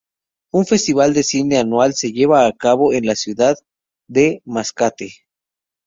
Un festival de cine anual se lleva a cabo en la ciudad de Mascate.